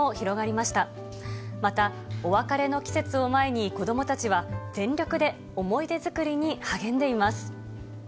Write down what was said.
また、お別れの季節を前に、子どもたちは、全力で思い出作りに励んでいます。